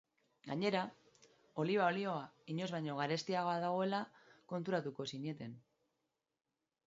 Gainera, oliba olioa inoiz baino garestiago dagoela konturatuko zineten.